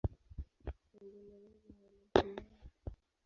Wengine wengi hawana dini yoyote.